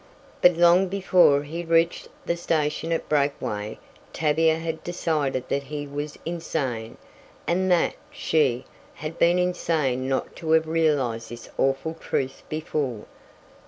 But long before he reached the station at Breakaway Tavia had decided that he was insane and that she had been insane not to have realized this awful truth before.